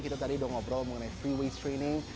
kita tadi udah ngobrol mengenai free weights training